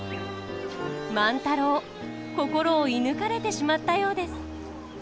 万太郎心を射ぬかれてしまったようです。